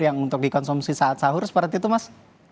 yang untuk dikonsumsi saat sahur seperti itu mas